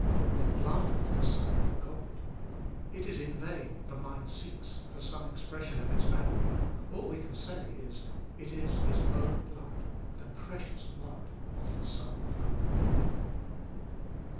The blood of the Son of God !— it is in vain the mind seeks for some expression of its value ; all we can say is, it is His own blood, the precious blood of the Son of God